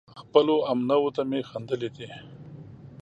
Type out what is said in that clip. خپلو همنوعو ته مې خندلي دي